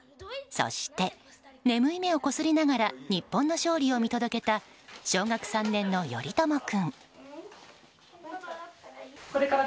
そして、眠い目をこすりながら日本の勝利を見届けた小学３年の頼友君。